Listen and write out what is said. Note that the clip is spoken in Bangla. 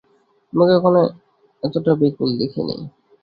তোমাকে কখনো এতটা ব্যকুল দেখি নি।